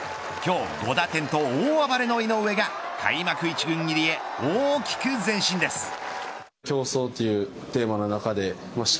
今日５打点と大暴れの井上が開幕一軍入りへ大きく前進です。